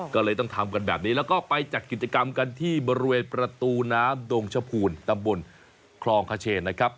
ก็เลยต้องทำกันแบบนี้แล้วก็ไปจัดกิจกรรมกันที่บริเวณประตูน้ำดงชะพูนตำบลคลองขเชนนะครับ